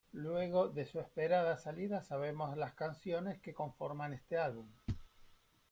Luego de su esperada salida, sabemos las canciones que conforman este álbum.